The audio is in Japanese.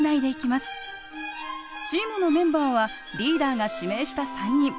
チームのメンバーはリーダーが指名した３人。